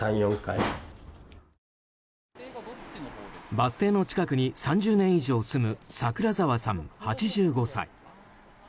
バス停の近くに３０年以上住む櫻澤さん、８５歳。